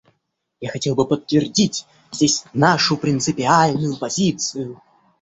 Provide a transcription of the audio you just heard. Я хотел бы подтвердить здесь нашу принципиальную позицию.